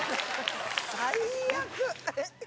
最悪！